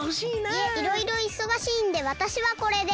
いえいろいろいそがしいんでわたしはこれで。